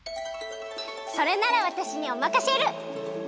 それならわたしにおまかシェル！